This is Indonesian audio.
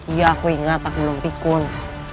iya aku ingat aku belum pikun